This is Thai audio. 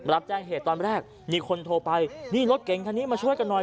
รับแจ้งเหตุตอนแรกมีคนโทรไปนี่รถเก่งคันนี้มาช่วยกันหน่อย